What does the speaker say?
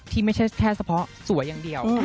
ไม่ใช่แค่เฉพาะสวยอย่างเดียว